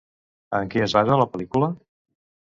En què es basa la pel·lícula?